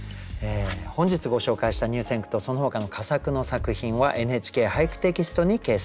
本日ご紹介した入選句とそのほかの佳作の作品は「ＮＨＫ俳句」テキストに掲載されます。